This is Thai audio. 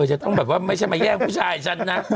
จะต้องแบบว่าไม่ใช่มาแย่งผู้ชายฉันนะ